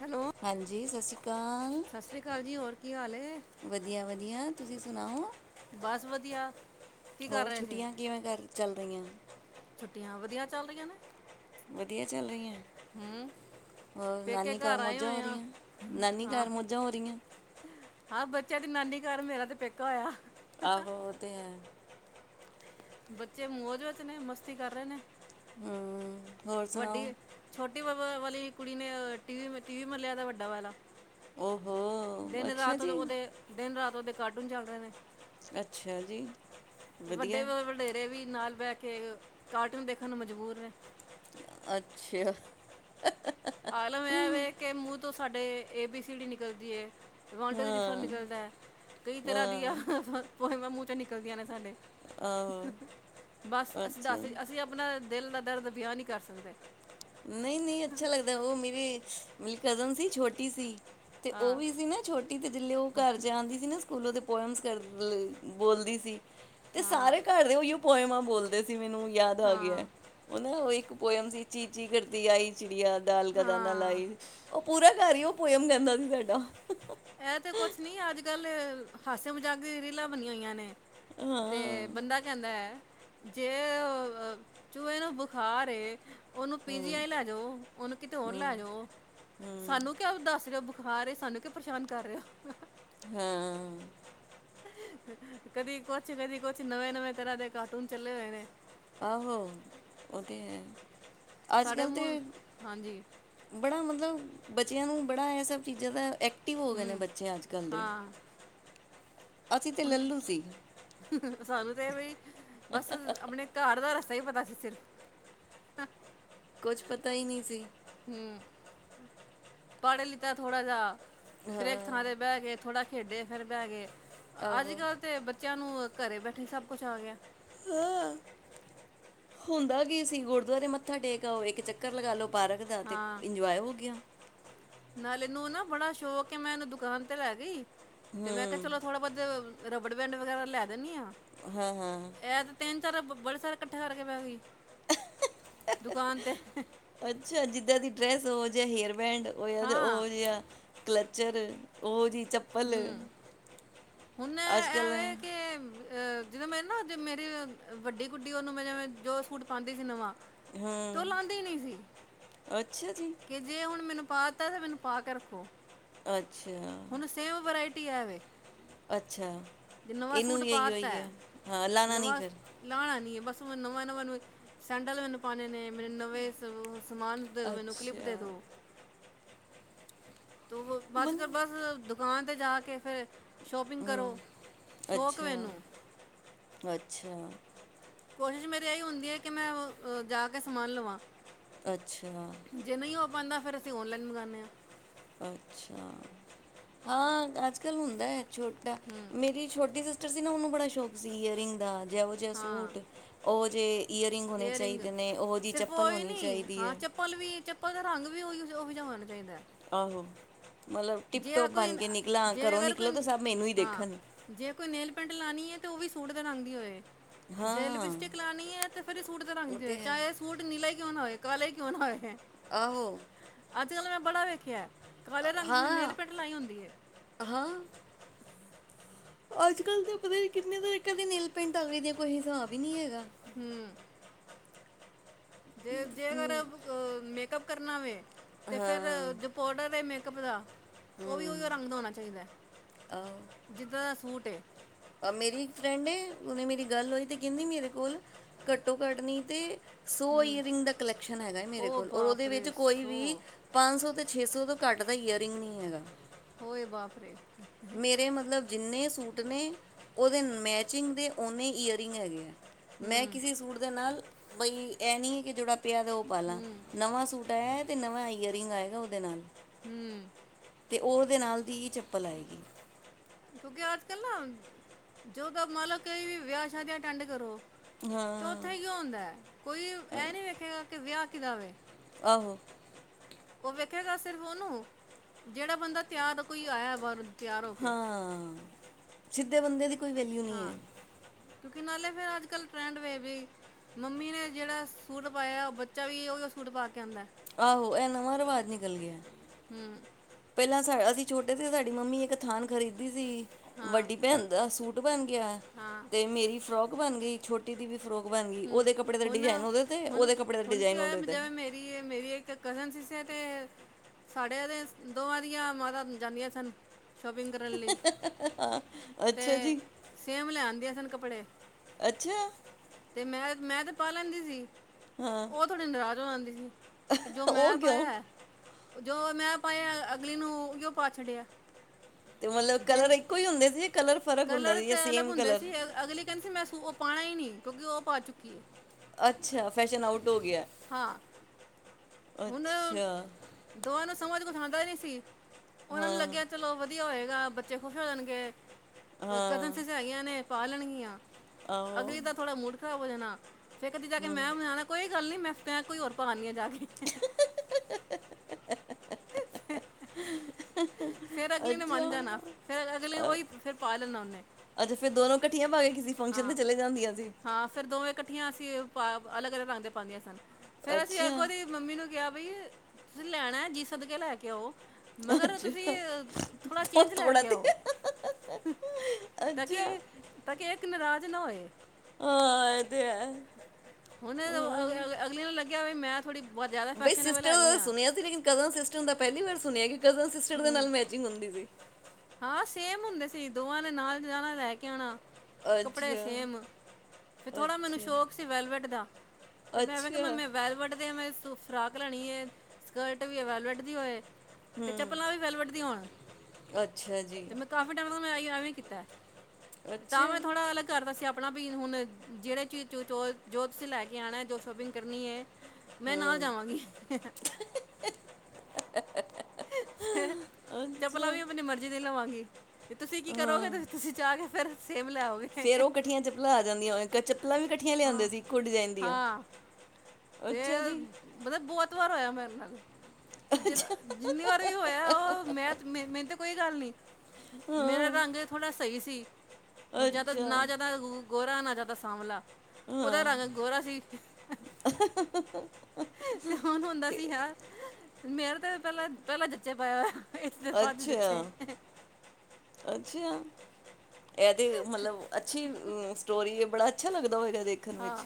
Hello ਹਾਂਜੀ ਸਸ਼੍ਰੀ ਅਕਾਲ ਸਤਿ ਸ਼੍ਰੀ ਅਕਾਲ ਜੀ ਹੋਰ ਕੀ ਹਾਲ ਏ? ਵਧੀਆ, ਵਧੀਆ ਤੁਸੀਂ ਸੁਣਾਓ ਬਸ ਵਧੀਆ ਕੀ ਕਰ ਹੋਰ ਰਹੇ ਸੀ ਛੁੱਟੀਆਂ ਕਿਵੇਂ ਘਰ ਚੱਲ ਰਹੀਆਂ ਛੁੱਟੀਆਂ ਵਧੀਆ ਚੱਲ ਰਹੀਆਂ ਨੇ ਵਧੀਆ ਚੱਲ ਰਹੀਆਂ ਹੂੰ। ਹੋਰ ਪੇਕੇ ਨਾਨੀ ਘਰ ਆਏ ਮੌੋਜਾਂ ਹੋ ਹੋਏ ਆ। ਰਹੀਆਂ ਨਾਨੀ ਘਰ ਮੌੋਜਾਂ ਹੋ ਰਹੀਆਂ ਹਾਂ ਬੱਚਿਆਂ ਦੀ ਨਾਨੀ ਘਰ ਮੇਰਾ ਤੇ ਪੇਕਾ ਹੋਇਆ ਆਹੋ ਉਹ ਤੇ ਹੈ ਬੱਚੇ ਮੌਜ ਵਿੱਚ ਨੇ ਮਸਤੀ ਕਰ ਰਹੇ ਨੇ ਹੂੰ ਹੋਰ ਸੁਣਾਓ ਵੱਡੀ ਛੋਟੀ ਬ ਵਾਲੀ ਕੁੜੀ ਨੇ ਟੀ ਵੀ ਮਲਿਆ ਤਾਂ ਵੱਡਾ ਵਾਲਾ ਓਹੋ ਦਿਨ ਅੱਛਾ ਰਾਤ ਜੀ ਉਹ ਦੇ ਦਿਨ ਰਾਤ ਦੇ ਕਾਰਟੂਨ ਚੱਲ ਰਹੇ ਨੇ ਅੱਛਾ ਜੀ ਵਧੀਆ ਘੇਰੇ ਵੀ ਨਾਲ ਬਹਿ ਕੇ ਕਾਰਟੂਨ ਦੇਖਣ ਨੂੰ ਮਜਬੂਰ ਨੇ ਅੱਛਾ ਆਲਮ ਇਹ ਵੇ ਕਿ ਮੂੰਹ ਤੋਂ ਸਾਡੇ ਏ ਬੀ ਸੀ ਡੀ ਨਿਕਲਦੀ ਏ ਵਾਂਟ ਰਿਫੰਨ ਹਾਂ ਨਿਕਲਦਾ ਹੈ ਕਈ ਤਰ੍ਹਾਂ ਹਾਂ ਦੀਆਂ ਪੋਯਮਾ ਮੂੰਹ ਚੋ ਨਿਕਲਦੀਆਂ ਨੇ ਸਾਡੇ ਆਹੋ ਬਸ ਅਸੀਂ ਦੱਸ ਅੱਛਾ ਅਸੀਂ ਆਪਣਾ ਦਿਲ ਦਾ ਦਰਦ ਬਿਆਨ ਨਹੀਂ ਕਰ ਸਕਦੇ ਨਹੀਂ, ਨਹੀਂ ਅੱਛਾ ਲੱਗਦਾ ਉਹ ਮੇਰੀ ਮੇਰੀ ਕਜ਼ਨ ਸੀ ਛੋਟੀ ਸੀ ਤੇ ਉਹ ਹਾਂ ਵੀ ਸੀ ਨਾ ਛੋਟੀ ਦਿੱਲੀਔ ਉਹ ਘਰ ਜਾਆਂਦੀ ਸੀ ਨਾ ਸਕੂਲੋਂ ਤੇ ਪੋਇਮਸ ਕਰ ਬੋਲਦੀ ਸੀ ਤੇ ਹਾਂ ਸਾਰੇ ਘਰ ਉਹੀ ਪੋਇਮਾਂ ਬੋਲਦੇ ਸੀ ਮੈਨੂੰ ਯਾਦ ਆ ਗਿਆ ਹਾਂ ਉਹ ਨਾ ਉਹ ਇੱਕ ਪੋਇਮ ਸੀ ਚੀ ਚੀ ਕਰਦੀ ਆਈ ਚਿੜੀਆ ਦਾਲ ਕ ਦਾਨਾ ਹਾਂ ਲਾਈ ਉਹ ਪੂਰਾ ਘਰ ਹੀ ਉਹ ਪਇਮ ਕਹਿੰਦਾ ਸੀ ਸਾਡਾ ਐ ਤੇ ਕੁਛ ਨੀ ਅੱਜ ਕਲ ਹਾਸੇ ਮਜ਼ਾਕ ਦੀ ਰੀਲਾਂ ਬਣੀਆਂ ਹੋਈਆਂ ਨੇ ਤੇ ਹਾਂ ਬੰਦਾ ਕਹਿੰਦਾ ਹੈ ਜੇ ਚੂਹੇ ਨੂੰ ਬੁਖਰ ਏ ਉਹਨੂੰ ਪੀਜੀ ਆਈ ਲੈ ਜਾਓ ਉਹਨੂੰ ਕਿਤੇ ਹੋਰ ਲੈ ਜਾਓ ਸਾਨੂੰ ਕਿਓ ਦੱਸ ਰਿਓ ਖਾ ਰਹੇ ਸਾਨੂੰ ਕੇ ਪਰੇਸ਼ਾਨ ਕਰ ਰਹੇ ਹੋ ਹਾਂ ਕਦੀ ਕੁਛ ਕਦੀ ਕੁਛ ਨਵੇਂ ਨਵੇਂ ਤਰ੍ਹਾਂ ਦੇ ਕਾਟੂਨ ਚੱਲੇ ਹੋਏ ਨੇ ਆਹੋ ਉਹ ਤੇ ਹੈ ਅਜ ਸਾਡੇ ਕਲ ਮੂੰਹ ਦੇ ਹਾਂਜੀ ਬੜਾ ਮਤਲਬ ਬੱਚਿਆਂ ਨੂੰ ਬੜਾ ਇਹ ਸਭ ਚੀਜ਼ਾਂ ਦਾ ਐਕਟਿਵ ਹੋ ਗਏ ਨੇ ਹੂੰ ਬੱਚੇ ਅੱਜ ਕਲ ਦੇ ਹਾਂ ਅਸੀਂ ਤੇ ਹੁਣ ਲਲੂ ਸੀ ਸਾਨੂੰ ਤੇ ਇਹ ਬਈ ਬਸ ਆਪਣੇ ਘਰ ਦਾ ਰਸਤਾ ਹੀ ਪਤਾ ਸੀ ਸਿਰਫ ਕੁਛ ਪਤਾ ਹੀ ਨਹੀਂ ਸੀ ਹਮ ਪੜ ਲਿੱਤਾ ਥੋੜਾ ਜਿਹਾ ਫਿਰ ਇੱਕੇ ਹਾਂ ਥਾਂ ਤੇ ਬਹਿ ਕੇ ਥੋੜ੍ਹਾ ਖੇਡੇ ਫਿਰ ਬਹਿ ਗਏ ਅੱਜ ਆਹੋ ਕਲ ਤੇ ਬੱਚਿਆਂ ਨੂੰ ਘਰੇ ਬੈਠੇ ਸਭ ਕੁਛ ਆ ਗਿਆ ਹ ਹੁੰਦਾ ਕੀ ਸੀ ਗੁਰਦੁਆਰੇ ਮੱਥਾ ਟੇਕ ਆਓ ਇੱਕ ਚੱਕਰ ਲਗਾ ਲਓ ਪਾਰਕ ਜਾ ਅਤੇ ਇੰਜੋਏ ਹੋ ਗਿਆ ਨਾਲੇ ਇਨੂੰ ਬੜਾ ਸ਼ੌਕ ਮੈਂ ਇਹਨੂੰ ਦੁਕਾਨ ਤੇ ਲੈ ਗਈ ਤੇ ਮੈਂ ਕਿਹਾ ਹੂੰ ਚਲੋ ਥੋੜਾ ਬਹੁਤ ਰਬੜ ਬੈਂਡ ਵਗੈਰਾ ਲੈ ਦਿੰਨੀ ਆ ਹਾਂ, ਹਾਂ ਹੇ ਤੇ ਤਿੰਨ ਚਾਰ ਬੜੇ ਸਾਰੇ ਇਕੱਠੇ ਕਰਕੇ ਬਇ ਗਈ ਦੁਕਾਨ ਤੇ ਅੱਛਾ ਜਿੱਦਾਂ ਦੀ ਡਰੈਸ ਓਹ ਜਿਹਾ ਹੇਅਰ ਬੈਂਡ ਹੋ ਹਾਂ ਉਹ ਜਿਹਾ ਕਲਚਰ ਉਹ ਜਿਹੀ ਚਪ ਹਮ ਹੁਣ ਅੱਜ ਕੱਲ ਇਹਵੇ ਕੇ ਜਿਦੋਂ ਮੈਂ ਨਾ ਮੇਰੀ ਵੱਡੀ ਗੂਡੀ ਉਹਨੂੰ ਮੈਂ ਜਿਵੇ ਜੋ ਸੂਟ ਪਾਉਂਦੀ ਸੀ ਨਵਾਂ ਤੇ ਹੂੰ ਓਹ ਲਾਂਦੇ ਈ ਨੀ ਸੀ। ਅੱਛਾ ਜੀ ਜੇ ਹੁਣ ਮੈਨੂੰ ਪਾ ਤੈ, ਤੇ ਮੈਨੂੰ ਪਾ ਕੇ ਰੱਖੋ। ਅੱਛਾ। ਹੁਣ ਸੇਮ ਵੈਰਾਇਟੀ ਐ ਵੇ। ਅੱਛਾ, ਜੇ ਨਵਾਂ ਇੱਨੂੰ ਸੂਟ ਵੀ ਐਇਓ ਪਾਤਾ ਈ ਐ ਹੈ ਹਾਂ, ਲਾਣਾ ਨੀ ਨਵਾਂ ਫੇਰ। ਲਾਣਾ ਨੀ, ਬਸ ਮੈਨੂੰ ਨਵੇਂ-ਨਵੇਂ ਸੈਂਡਲ ਮੈਨੂ ਪਾਣੇ ਨੇ। ਸਮਾਨ ਦੇ ਦੋ, ਮੈਨੂੰ ਕਲਿੱਪ ਦੇ ਅੱਛਾ ਦੋ। ਵਚ ਮਨ ਤੇ ਬੱਸ ਦੁਕਾਨ 'ਤੇ ਜਾ ਕੇ ਫੇਰ। ਅੱਛਾ-ਅੱਛਾ। ਕੋਸ਼ਿਸ਼ ਮੇਰੀ ਏਹੀ ਹੁੰਦੀ ਐ ਕਿ ਮੈਂ, ਜਾ ਕੇ ਸਮਾਨ ਲਵਾਂ। ਅੱਛਾ। ਜੇ ਨਈ ਹੋ ਪਾਂਦਾ, ਫੇਰ ਅਸੀਂ ਔਨਲਾਈਨ ਮੰਗਾਨੇ ਆਂ। ਅੱਛਾ, ਹਾਂ ਅੱਜ-ਕੱਲ ਹੁੰਦਾ ਏਹ ਛੋਟੈ। ਹੂਂ। ਮੇਰੀ ਛੋਟੀ ਸਿਸਟਰ ਸੀ ਨਾ, ਉਹਨੂੰ ਬੜਾ ਸ਼ੌਂਕ ਸੀ ਈਅਰਿੰਗ ਦਾ, ਜੇਹੋ ਜੇਹੇ ਹਾਂ ਸੂਟ ਓਹੋ ਜੇਹੇ ਈਅਰਿੰਗਾਂ ਹੋਣੇ ਏਅਰਿੰਗ ਚਾਈਦੇਨੇ, ਓਹੋ ਜੇਹੀ ਚੱਪਲ ਹੋਨੀ ਚਾਈਦੀ ਏ। ਪੱਲ ਵੀ, ਚੱਪਲ ਦਾ ਰੰਗ ਵੀ ਓਇਓ ਜ ਓਹੀ ਜੇਆ ਹੋਣਾ ਚਾਈਦੈ। ਆਹੋ, ਮਤਲਬ ਟਿੱਪ-ਟੋਪ ਕੋਈ ਬਣ ਕੇ ਨਿਕਲਾਂ, ਜੇ ਘਰੋਂ ਅਗਰ ਨਿਕਲਾਂ ਤੋ ਕੋਈ ਸਭ ਮੈਨੂੰ ਈ ਹਾਂ ਦੇਖਣ। ਜੇ ਕੋਈ ਨੇਲ ਪੇਂਟ ਲਾਣੀ ਏ, ਤਾਂ ਓਹ ਵੀ ਸੂਟ ਦੇ ਰੰਗ ਦੀ ਹੋਏ। ਜੇ ਹਾਂ ਲਿਪਸਟਿਕ ਲਾਣੀ ਐ, ਤਾਂ ਫੇਰ ਵੀ ਸੂਟ ਦੇ ਰੰਗ ਉਹ ਦੀ ਤੇ ਹੈ ਹੋਏ। ਸੂਟ ਨੀਲਾ ਈ ਕਿਉਂ ਨਾ ਹੋਏ, ਕਾਲਾ ਈ ਕਿਉਂ ਨਾ ਹੋਏ। ਆਹੋ। ਅੱਜ-ਕੱਲ ਮੈਂ ਬੜਾ ਵੇਖਐ। ਹਾਂ-ਹਾਂ। ਅੱਜ-ਕੱਲ ਤਾਂ ਪਤਾ ਨੀ ਕਿੰਨੇ ਤਰੀਕਿਆਂ ਦੀਆਂ ਨੇਲ ਪੇਂਟਾਂ ਆ ਗਈਆਂ ਨੇ, ਕੋਈ ਹਿਸਾਬ ਈ ਨੀ ਹੈਗਾ। ਹੂਂ। ਜੇ-ਜੇ ਅਗਰ ਹੂੰ, ਅ ਮੇਕਅੱਪ ਕਰਨਾ ਵੇ, ਤੇ ਫੇਰ ਹਾਂ ਪਾਊਡਰ ਤੇ ਮੇਕਅੱਪ ਲਾ, ਓ ਵੀ ਉਸੇ ਹੂੰ ਰੰਗ ਦਾ ਹੋਣਾ ਚਾਹੀਦੈ। ਆਹ ਜਿੱਦਾਂ ਦਾ ਸੂਟ ਏ। ਮੇਰੀ ਇੱਕ ਫ੍ਰੈਂਡ ਏ ਓਹਦੇ ਨਾਲ ਗੱਲ ਹੋਈ, ਓਹ ਕੈਹੰਦੀ, ਮੇਰੇ ਕੋਲ ਘੱਟੋ ਘੱਟ ਨੀ ਤੇ ਸੋ ਈਅਰਿੰਗਂ ਦਾ ਕਲੈਕਸ਼ਨ ਹੈਗੈ ਮੇਰੇ ਕੋਲ, ਔਰ ਓਹਦੇ ਵਿੱਚ ਕੋਈ ਵੀ ਪੰਜ ਸੌ ਤੇ ਛੇ ਸੌ ਤੋ ਘੱਟ ਦਾ ਈਅਰਿੰਗ ਨੀ ਹੈਗਾ। ਹੋਏ ਬਾਪਰੇ! ਮੇਰੇ ਮਤਲਬ ਜਿੰਨੇ ਸੂਟ ਨੇ, ਓਹਦੇ ਮੈਚਿੰਗ ਦੀ ਓਨੇ ਹੀ ਈਅਰਿੰਗ ਹੈਗੇ ਐਂ। ਮੈਂ ਕਿਸੇ ਵੀ ਸੂਟ ਦੇ ਨਾਲ ਬਈ ਏਹ ਨੀ ਕੇ ਜੇਹੜਾ ਪਿਆ ਦੈ ਓਹ ਪਾ ਲਾਂ, ਨਵਾਂ ਸੂਟ ਆਇਆ ਤੇ ਨਵਾਂ ਇਅਰਿੰਗ ਆਏਗਾ ਓਹਦੇ ਨਾਲ। ਹੂਂ। ਤੇ ਓਦੇ ਨਾਲ ਦੀ ਹੀ ਚੱਪਲ ਆਏਗੀ। ਕਿਉਂਕਿ ਅੱਜ-ਕੱਲ ਨਾ, ਜਦ ਤਕ ਮੰਨ ਲਓ ਕਿ ਵਿਆਹ-ਸ਼ਾਦੀਆਂ ਅਟੈਂਡ ਕਰੋ। ਤੇ ਹਾਂ ਓਥੇ ਕੀ ਹੁੰਦੈ? ਕੋਈ ਐ ਨੀ ਵੇਖੇਗਾ ਕਿ ਵਿਆਹ ਕਿਦਾ ਵੇ। ਆਹੋ। ਓਹ ਵੇਖੇਗਾ ਸਿਰਫ ਉਹਨੂੰ, ਜੇਹੜਾ ਬੰਦਾ ਤਿਆਰ ਹੋ ਕੋਈ ਆਇਐ ਬਾਹਰੋਂ। ਹਾਂ ਸਿੱਧੇ ਬੰਦੇ ਦੀ ਕੋਈ ਵੈਲਿਊ ਨਹੀਂ ਹਾਂ, ਹੈ ਕਿਉਂਕਿ ਨਾਲੇ ਫੇਰ ਅੱਜ-ਕੱਲ ਟ੍ਰੈਂਡ ਵੀ ਏਵੀ। ਮੰਮੀ ਨੇ ਜੇਹੜਾ ਸੂਟ ਪਾਇਆ, ਬੱਚਾ ਵੀ ਉਹੀ ਸੂਟ ਪਾ ਕੇ ਆਂਦੈ। ਆਹੋ ਇਹ ਨਵਾਂ ਰਿਵਾਜ਼ ਨਿਕਲ ਗਿਆ। ਹੂੰ ਪਹਿਲਾਂ ਅਸੀਂ ਛੋਟੇ ਸੀ, ਸਾਡੀ ਮੰਮੀ ਇੱਕੋ ਥਾਨ ਖਰੀਦਦੀ ਸੀ। ਹਾਂ ਵੱਡੀ ਭੈਣ ਦਾ ਸੂਟ ਸੂਟ ਬਣ ਗਿਆ। ਹਾਂ ਤੇ ਮੇਰੀ ਛੋਟੀ ਫਰਾਕ ਬਣ ਗਈ। ਛੋ ਟੀ ਦੀ ਵੀ ਫ੍ਰੋਕ ਬਣਗੀ। ਹੂੰ ਓਦੇ ਕੱਪੜੇ ਦਾ ਹੁਣ ਡਿਜਾਇਨ ਓਦੇ ਤੇ, ਓਦੇ ਕੱਪੜੇ ਦਾ ਡਿਜਾਇਨ ਓਦੇ ਤੇ। ਵੀ ਏ ਮੇਰੀ ਇੱਕ ਕਜ਼ਨ ਸੀਸੇ ਤੇ ਸਾਡੇ ਐਦੇ ਸ ਦੋਵਾਂ ਦੀਆਂ ਮਾਤਾ ਜਾਂਦੀਆਂ ਸਨ। ਸ਼ੋਪਿੰਗ ਕਰਨ ਲਈ ਹਾਂ ਤੇ ਅੱਛਾ ਜੀ ਸੇਮ ਲੈ ਆਂਦੀਆਂ ਸਨ ਕੱਪੜੇ। ਅੱਛਾ! ਤੇ ਮੈਂ, ਮੈਂ ਤੇ ਪਾ ਲੈਂਦੀ ਸੀ। ਹਾਂ ਓ ਥੋੜ੍ਹੀ ਨਾਰਾਜ਼ ਹੋ ਜਾਂਦੀ ਸੀ ਕਿ ਜੋ ਮੈਂ ਉਹ ਕਿਉਂ ਪਾਇਆ। ਜੋ ਮੈਂ ਪਾਇਆ, ਅਗਲੀ ਨੂੰ ਓਇਓ ਪਾ ਛੱਡਿਆ। ਤੇ ਮਤਲਬ ਜੇ ਕਲਰ ਇੱਕੋ ਹੀ ਹੁੰਦੇ ਸੀ ਯ ਕਲਰ ਫਰਕ ਹੁੰਦਾ ਕਲਰ ਸੀ ਤੇ ਯਾ ਅਲੱਗ ਸੇਮ ਹੁੰਦੇ ਕਲਰ? ਸੀ ਅ- ਅਗਲੀ ਕਹਿੰਦੀ ਸੀ ਮੈਂ ਸੂ ਓ ਪਾਣਾ ਈ ਨਈ ਕਿਉਂਕਿ ਓ ਪਾ ਚੁੱਕੀ ਏ। ਅੱਛਾ, ਫੈਸ਼ਨ ਆਊਟ ਹੋ ਗਿਆ। ਹਾਂ। ਹੁਣ ਅੱਛਾ। ਦੋਵਾਂ ਨੂੰ ਸਮਝ ਕੁਛ ਆਂਦਾ ਨੀ ਸੀ, ਓਨਾਂ ਨੂੰ ਹਾਂ ਲੱਗਿਆ ਚਲੋ ਬੱ ਵਧੀਆ ਹੋਏਗਾ, ਬੱਚੇ ਖੁਸ਼ ਹੋ ਜਾਣਗੇ। ਕਜ਼ਨ ਹਾਂ ਸਿਸਟਰ ਹੈਗੀਆਂ ਨੇ, ਪਾ ਲੈਣਗੀਆਂ। ਆਹੋ ਅਗਲੀ ਦਾ ਥੋੜਾ ਮੂਡ ਖ਼ਰਾਬ ਹੋ ਜਾਣਾ, ਫੇਰ ਕਦੀ ਜਾ ਕੇ ਹਮ ਮੈਂ ਓਨੂੰ ਲੈ ਆਣਾ- ਕੋਈ ਗੱਲ ਨਹੀਂ, ਮੈਂ ਸਟੈਕ ਕੋਈ ਹੋਰ ਪਾ ਆਨੀਂ ਆ ਜਾ ਕੇ। ਹਾ ਹਾ ਹਾ ਹਾ ਹਾ ਹਾ ਫੇਰ ਅਗਲੀ ਨੇ ਮੰਨ ਜਾਣਾ, ਅੱਛਾ ਫੇਰ ਅਗਲੀ ਉਹੀ ਫੇਰ ਪਾ ਲੈਣਾ ਓਨੇ। ਅੱਛਾ ਫੇਰ ਦੋਨੋ ਕੱਠੀਆਂ ਭਾਵੇਂ ਕਿਸੇ ਫੰਕਸ਼ਨ ਤੇ ਚਲੇ ਜਾਂਦੀਆਂ ਸੀ। ਹਾਂ ਫੇਰ ਦੋਵੇਂ ਕੱਠੀਆਂ ਅਸੀਂ ਪਾ ਅਲੱਗ-ਅਲੱਗ ਰੰਗ ਦੇ ਪਾਉਂਦੀਆਂ ਸਨ। ਫੇਰ ਅਸੀਂ ਅੱਛਾ ਅੱਗੋਂ ਦੀ ਮੰਮੀ ਨੂੰ ਕਿਹਾ ਬਈ, ਤੁਸੀਂ ਲੈਣਾ ਜੀ ਸਦ ਕੇ ਲੈ ਕੇ ਆਓ। ਮਗਰ ਤੁਸੀਂ, ਅੱਛਾ ਥੋੜ੍ਹਾ ਉਹ ਚੇਂਜ ਲੈ ਥੋੜਾ ਕੇ ਤੇ ਆਓ। ਤਾਂ ਕਿ, ਅੱਛਾ ਤਾਂ ਕਿ ਇੱਕ ਨਰਾਜ਼ ਨਾ ਹੋਏ। ਹਾਂ ਇਹ ਤੇ ਹੈ ਹੁਣ ਅਵ-ਅਵ ਹਾਂ। -ਅਵ -ਅਗਲੀ ਨਾਲ ਲੱਗਿਆ ਵੀ ਮੈਂ ਥੋੜੀ ਬਹੁਤ ਜ਼ਿਆਦਾ ਬਈ ਫੈਸ਼ਨੇਬਲ ਸਿਸਟਰ ਹੈਗੀ ਦਾ ਆਂ। ਸੁਣਿਆ ਸੀ ਲੇਕਿਨ ਕਜ਼ਨ ਸਿਸਟਰ ਦਾ ਪਹਿਲੀ ਵਾਰ ਸੁਣਿਆ ਕਿ ਕਜ਼ਨ ਸਿਸਟਰ ਦੇ ਹੂੰ ਨਾਲ ਮੈਚਿੰਗ ਹੁੰਦੀ ਸੀ। ਹਾਂ ਸੇਮ ਹੁੰਦੇ ਸੀ। ਦੋਵਾਂ ਨੇ ਨਾਲ ਜਾਣਾ, ਲੈ ਕੇ ਆਣਾ, ਕੱਪੜੇ ਅੱਛਾ ਸੇਮ। ਫਿਰ ਥੋੜਾ ਮੈਨੂੰ ਸ਼ੌਕ ਅੱਛਾ ਸੀ ਵੈਲਵਟ ਦਾ ਤੇ ਮੈਂ ਐਵੇਂ ਕਿਹਾ ਮ- ਅੱਛਾ ਮੈ ਵੈਲਵਟ ਦੇ ਮੈਂ ਸੂਫ ਫਰਾਕ ਲੈਣੀ ਏ, ਸਕਰਟ ਵੀ ਵੈਲਵਟ ਦੀ ਹੋਏ ਤੇ ਚੱਪਲਾਂ ਵੀ ਵੈਲਵਟ ਦੀਆਂ ਹੋਣ। ਅੱਛਾ ਜੀ। ਤੇ ਮੈਂ ਕਾਫੀ ਟਾਈਮ ਤੋਂ ਮੈਂ ਅਈਓ ਐਵੇਂ ਈ ਕੀਤਾ, ਤਾਂ ਅੱਛਾ ਮੈਂ ਥੋੜਾ ਅਲੱਗ ਕਿ ਕਰਦਾ ਸੀ ਆਪਣਾ ਵੀ ਹੁਣ ਜੇੜੇ ਚੀਜ਼, ਜੋ ਤੁਸੀਂ ਲੈ ਕੇ ਆਣਾ, ਜੋ ਸ਼ੋਪਿੰਗ ਕਰਨੀ ਏ ਮੈਂ ਨਾਲ ਹੂੰ ਜਾਵਾਂਗੀ। ਚੱਪਲਾਂ ਅੱਛਾ ਵੀ ਅਪਨੀ ਮਰਜ਼ੀ ਦੀ ਲਵਾਂਗੀ। ਤੇ ਤੁਸੀਂ ਕੀ ਕਰੋਗੇ, ਤੇ ਤੁਸੀਂ ਜਾ ਕੇ ਫੇਰ ਸੇਬ ਲਿਆਓਗੇ। ਫੇਰ ਓ ਕੱਠੀਆਂ ਚੱਪਲਾਂ ਆ ਜਾਂਦੀਆਂ, ਕ ਚੱਪਲਾਂ ਵੀ ਕੱਠੀਆਂ ਲਿਆਂਦੇ ਹਾਂ ਸੀ, ਇੱਕੋ ਡਿਜਾਇਨ ਦੀਆਂ। ਹਾਂ ਤੇ ਅੱਛਾ ਜੀ ਮਤਲਬ ਬਹੁਤ ਵਾਰ ਹੋਇਆ ਮੇਰੇ ਨਾਲ। ਜਦ ਜਿੰਨੀ ਵਾਰ ਵੀ ਹੋਇਆ ਓ, ਮੈਂ ਤ ਮੈਨ ਮੈਨ ਤੇ ਕੋਈ ਗੱਲ ਨੀ, ਮੇਰਾ ਹਾਂ ਰੰਗ ਏ ਥੋੜ੍ਹਾ ਸਾਵ ਸਈ ਸੀ, ਨਾ ਜਾਦਾ ਅੱਛਾ ਨਾ ਜਾਦਾ ਗੋ-ਗੋ-ਗੋਰਾ ਨਾ ਜਾਦਾ ਸਾਂਵਲਾ ਓਦਾ ਹਾਂ ਰੰਗ ਗੋਰਾ ਸੀ ਤੇ ਹੁਣ ਹੁੰਦਾ ਤੇ ਸੀ ਹਾਂ, ਮੇਰ ਤੇ ਪਹਿਲਾਂ ਪਹਿਲਾਂ ਜੱਚੇ ਪਾਯਾ ਹੋਯਾ ਅੱਛਾ, ਅੱਛਾ! ਐਹ ਤੇ ਮਲਬ ਅੱਛੀ ਸਟੋਰੀ ਏ, ਬੜਾ ਅੱਛਾ ਲੱਗਦਾ ਹੋਏਗਾ ਦੇਖ ਕੇ ਹਾਂ,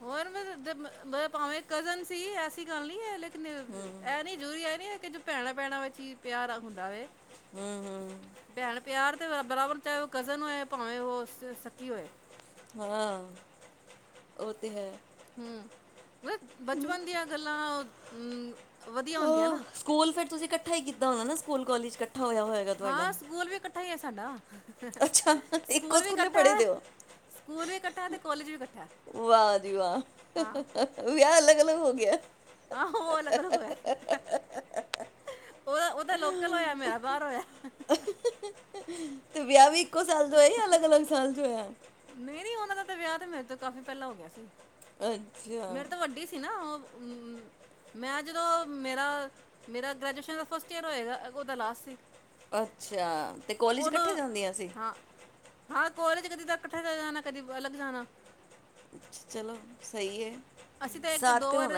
ਹੋਰ ਮ ਲ ਦ ਮ ਬ ਭਾਵੇਂ ਕਜ਼ਨ ਸੀ, ਐਸੀ ਗੱਲ ਨਹੀਂ ਐ ਲੇਕ ਨੇ, ਇਹ ਨੀ ਜ਼ਰੂਰੀ ਐ ਨੀ ਕਿ ਜੋ ਭੈਣਾਂ-ਭੈਣਾਂ ਵਿੱਚ ਹੀ ਪਿਆਰ ਹੁੰਦਾ ਵੇ ਹੁੰ-ਹੁੰ। ਭੈਣ ਪਿਆਰ ਤੇ ਬਰਾ-ਬਰਾਬਰ, ਚਾਹੇ ਓ ਕਜ਼ਨ ਹੋਏ, ਭਾਵੇਂ ਓ ਸ ਸੱਕੀ ਹੋਏ ਹਾਂ, ਓਹ ਤਾ ਹੈ। ਹੂੰ, ਮ ਬਚਪਨ ਦੀਆਂ ਗੱਲਾਂ ਓ ਹਾਂ, ਸਕੂਲ ਫੇਰ ਤੁਸੀਂ ਇਕੱਠੇ ਈ ਕੀਤਾ ਹੋਨਾ ਨਾ। ਸਕੂਲ ਕੋਲੇਜ ਇਕੱਠਾ ਹੋਇਆ ਹੋਇਆ। ਹਾਂ ਸਕੂਲ ਵੀ ਇਕੱਠਾ ਹੀ ਹੈ ਸਾਡਾ। ਅੱਛਾ, ਇੱਕੋ ਸਕੂਲ ਵੀ ਸਕੂਲੇ ਇਕੱਠਾ ਪੜ੍ਹੇ, ਹੈ ਦੋਵੇਂ? ਸਕੂਲ ਵੀ ਇਕੱਠਾ ਤੇ ਕੋਲੇਜ ਵੀ ਇਕੱਠਾ ਐ। ਵਾਹ ਜੀ ਵਾਹ, ਵਿਆਹ ਅਲੱਗ ਅਲੱਗ ਹੋ ਗਿਐ। ਆਹੋ, ਅਲੱਗ ਅਲੱਗ ਹੈਐ। ਓਹ ਓਹਦਾ ਲੋਕਲ ਹੋਇਆ ਮੇਰਾ ਬਾਹਰ ਹੋਇਐ। ਤੇ ਵਿਆਹ ਵੀ ਇੱਕੋ ਸਾਲ ਚ ਹੋਇਆ ਯਾ ਅਲੱਗ ਅਲੱਗ ਸਾਲ ਚ ਹੋਇਐ? ਨਈ ਨਈਂ ਓਹਨਾਂ ਦਾ ਤੇ ਵਿਆਹ ਤੇ ਮੇਰੇ ਤੋਂ ਕਾਫ਼ੀ ਪਹਿਲਾਂ ਹੋ ਗਿਆ ਸੀ। ਅੱਛਾ। ਮੇਰੇ ਤੋਂ ਵੱਡੀ ਸੀ ਨਾ ਓਹ। ਮੈਂ ਜਦੋਂ ਮੇਰਾ ਮੇਰਾ ਗ੍ਰੈਜੂਏਸ਼ਨ ਦਾ ਫਸਟ ਈਅਰ ਹੋਏਗਾ ਅਗੋਂ ਓਹਦਾ ਲਾਸਟ ਸੀ। ਅੱਛਾ ਤੇ ਕੋਲੇਜ ਉਹਨੂੰ ਇਕੱਠੇ ਜਾਂਦੀਆਂ ਸੀ? ਹਾਂ ਹਾਂ, ਕੋਲੇਜ ਕਦੀ ਤੇ ਅਕੱਠੇ ਚਲੇ ਜਾਨਾ ਕਦੀ ਅਲਗ ਜਾਨਾ। ਚਲੋ ਸਈ ਏ। ਅਸੀਂ ਤਾਂ ਏਕ ਦੋ ਵਰ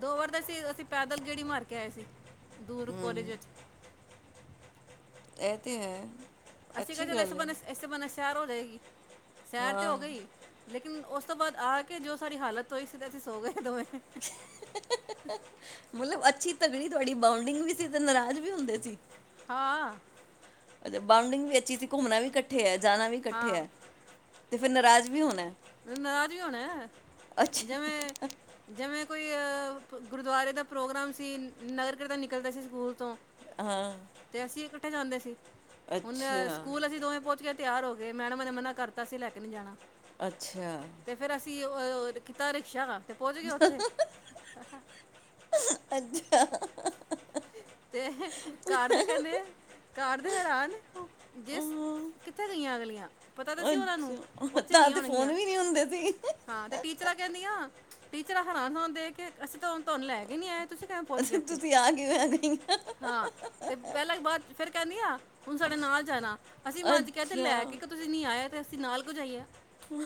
ਦੋ ਵਰ ਗਏਸੀ ਅਸੀਂ ਪੈਦਲ ਗੇੜੀ ਮਾਰ ਕੇ ਆਏ ਸੀ। ਦੂਰ ਹੂੰ ਕੋਲੇਜ ਇਚ। ਐ ਤੇ ਹੈ। ਅਸੀ ਕਿਆ ਅੱਛੀ ਚਲ ਐਸੇ ਗੱਲ ਹੈ ਬਹਾਨੇ ਐਸੇ ਬਾਹਨੇ ਸੈਰ ਹੋ ਜਾਏਗੀ, ਸੈਰ ਤੇ ਹਾਂ ਹੋ ਗਈ ਲੇਕਿਨ ਓਸ ਤੋਂ ਬਾਅਦ ਆ ਕੇ ਜੋ ਸਾਡੀ ਹਾਲਤ ਹੋਈ ਸੀ ਤੇ ਅਸੀਂ ਸੋ ਗਏ, ਦੋਵੇਂ। ਮਲਬ ਅੱਛੀ-ਤਗੜੀ ਤਵਾਡੀ ਬਾਉਂਡਿੰਗ ਵੀ ਸੀ ਤੇ ਨਰਾਜ਼ ਵੀ ਹੁੰਦੇ ਸੀ। ਹਾਂ। ਬਾਊਂਡਿੰਗ ਵੀ ਅੱਛੀ ਸੀ ਘੁੰਮਨਾ ਵੀ ਇਕੱਠੇ ਐ ਜਾਨਾ ਵੀ ਇਕੱਠੇ ਹਾਂ ਐ ਤੇ ਫਿਰ ਨਰਾਜ਼ ਵੀ ਹੋਣੈ। ਨਾਰਾਜ਼ ਹੀ ਹੋਣੈ ਅੱਛਾ ਜੈਵੇਂ ਜੈਵੇਂ ਕੋਈ ਗੁਰਦੁਆਰੇ ਦਾ ਪ੍ਰੋਗਰਾਮ ਸੀ, ਨਗਰ ਕੀਰਤਨ ਨਿਕਲਦੇ ਸੀ ਸਕੂਲ ਤੋਂ ਹਾਂ। ਤੇ ਅਸੀਂ ਇਕੱਠੇ ਜਾਂਦੇ ਸੀ। ਹੁਨ ਅੱਛਾ ਸਕੂਲ ਅਸੀਂ ਦੋਵੇਂ ਪਹੋਂਚ ਕੇ ਤਿਆਰ ਹੋ ਕੇ, ਮੈਡਮ ਨੇ ਮਨਾ ਕਰਤਾ ਸੀ ਲੈ ਕੇ ਨਈ ਜਾਨਾ ਅੱਛਾ। ਤੇ ਫੇਰ ਅਸੀਂ ਅਹ ਕੀਤਾ ਰਿਕਸ਼ਾ ਤੇ ਪਹੋਂਚ ਗਏ ਉੱਥੇ। ਅੱਛਾ। ਤੇ ਘਰ ਦੇ ਕਹਿੰਦੇ ਘਰ ਦੇ ਹੈਰਾਨ ਜਿਸ ਹਾਂ, ਕਿੱਥੇ ਗਈਆਂ ਅਗਲੀਆਂ, ਪਤਾ ਤੇ ਸੀ ਉਹਨਾਂ ਨੂੰ, ਅੱਛਾ ਉੱਥੇ ਤਾਂ ਗਈਆਂ ਤੇ ਫੋਨ ਹੋਣਗੀਆਂ ਵੀ ਨਹੀਂ ਹੁੰਦੇ ਸੀ। ਹਾਂ ਤੇ ਟੀਚਰਾਂ ਕਹਿੰਦੀਆਂ, ਟੀਚਰਾਂ ਹੈਰਾਨ ਹੋਣ ਦੇਖ ਕੇ, ਅਸੀਂ ਤੁਹਾਨੂੰ ਲੈ ਕੇ ਨਈ ਆਏ ਤੁਸੀਂ ਕਿਵੇਂ ਪਹੁੰਚ ਗਏ ਅਸੀ ਇੱਥੇ। ਤੁਸੀਂ, ਆ ਕਿਵੇਂ ਹਾਂ ਤੇ, ਪਹਿਲਾਂ ਬਾਅਦ ਫੇਰ ਕਹਿੰਦੀਆ, ਹੁਣ ਸਾਡੇ ਨਾਲ ਜਾਣਾ, ਅਸੀਂ ਮੰਨ ਚ ਕਿਹਾ ਤੇ ਲੈ ਅੱਛਾ ਕੇ ਕਦੋਂ। ਖੁਦ ਨਈ ਆਇਆ, ਤੇ ਅਸੀਂ ਨਾਲ ਕੁੳ ਜਈਏ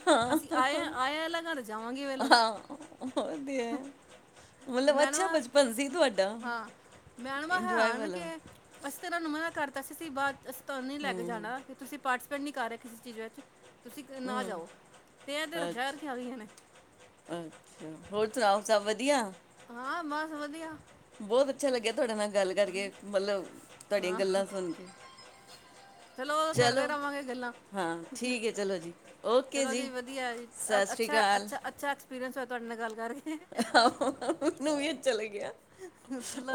ਹਾਂ- ਜਾਵਾਂਗੇ ਵੇਲਗ ਹ-ਹਾਂ ਓ ਤੇ, ਹੈ ਮਤਲਬ ਅੱਛਾ, ਬਚਪਨ ਸੀ ਤੁਹਾਡਾ ਮੈਡਮਾ ਇੰਜੋਏ ਹੈਰਾਨ ਵਾਲਾ ਕਿ, ਅਸੀਂ ਇਨਾ ਨੂੰ ਮਨਾ ਕਰਤਾ ਸੀ। ਬਾਅਦ ਅਸੀਂ ਤੁਹਾਨੂੰ ਨਈ ਲੈ ਕੇ ਹੂੰ ਜਾਣਾ ਤੁਸੀਂ, ਪਾਰਟੀਸਪੇਟ ਨਹੀਂ ਕਰ ਰਹੇ ਕਿਸੇ ਚੀਜ਼ ਵਿੱਚ, ਤੁਸੀਂ ਨਾ ਜਾਓ ਤੇ, ਇਹ ਜਰਾ ਠਹਿਰ ਅੱਛਾ ਕੇ ਆ ਗਈਆਂ ਨੇ ਅੱਛਾ, ਹੋਰ ਸੁਣਾਓ? ਸਭ ਵਧੀਆ ਹਾਂ ਬਸ, ਵਧੀਆ ਬਹੁਤ ਅੱਛਾ ਲੱਗਿਆ, ਤੁਹਾਡੇ ਨਾਲ ਗੱਲ ਕਰਕੇ, ਮਤਲਬ ਤੁਹਾਡੀਆਂ ਹਾਂ ਗੱਲਾਂ ਸੁਣ ਕੇ ਚਲੋ, ਕਰਦੇ ਰਵਾਂਗੇ ਗੱਲਾਂ ਹਾਂ ਠੀਕ ਹੈ ਚਲੋ ਜੀ ਓਕੇ ਚਲੋ ਜੀ, ਵਧੀਆ ਜੀ ਅ ਸਤਿ ਸ਼੍ਰੀ ਅਕਾਲ ਅੱਛਾ-ਅੱਛਾ-ਅੱਛਾ ਫਿਰ ਅੱਛਾ, ਤੁਹਾਂਡੇ ਨਾਲ ਗੱਲ ਕਰ ਮੈਨੂੰ ਵੀ ਚਲੇ ਗਿਆ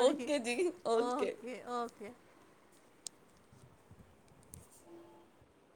ਓਕੇ ਜੀ, ਓਕੇ